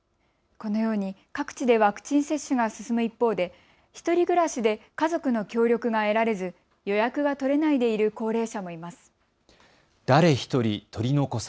このように各地でワクチン接種が進む一方で１人暮らしで家族の協力が得られず予約が取れないでいる高齢者もいます。